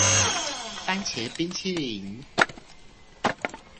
番茄冰淇淋